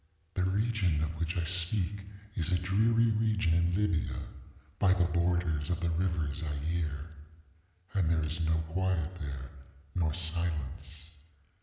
ŌĆ£The region of which I speak is a dreary region in Libya, by the borders of the river Zaire. And there is no quiet there, nor silence.